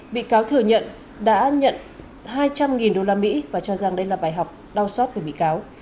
bị cáo thừa nhận đã nhận hai trăm linh usd và cho rằng đây là bài học đau xót về bị cáo